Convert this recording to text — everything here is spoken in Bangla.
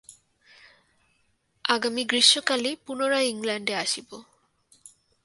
আগামী গ্রীষ্মকালে পুন ইংলণ্ডে আসিব।